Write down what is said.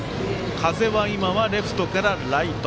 風は、今はレフトからライト。